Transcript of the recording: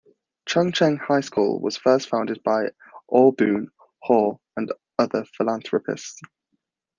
Chung Cheng High School was first founded by Aw Boon Haw and other philanthropists.